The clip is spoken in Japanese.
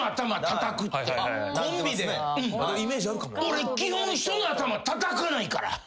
俺基本人の頭たたかないから。